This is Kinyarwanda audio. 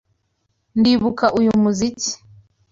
Ndibuka uyu muziki.